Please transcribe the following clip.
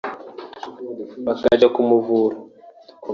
bakajya kumuvura